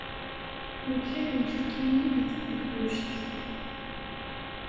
Yukal uyefki-nni deg tbeqlujt.